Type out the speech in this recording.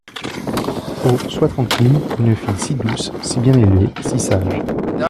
Oh ! sois tranquille ! une fille si douce ! si bien élevée ! si sage !